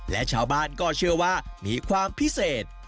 และชาวบ้านก็เชื่อว่ามีความพิเศษ